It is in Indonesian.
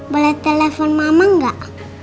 boleh telepon mama gak